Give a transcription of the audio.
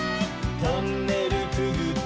「トンネルくぐって」